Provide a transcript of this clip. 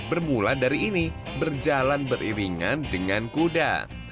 bermula dari ini berjalan beriringan dengan kuda